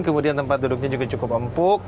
kemudian tempat duduknya juga cukup empuk